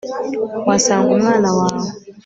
uhasanga umwana wawe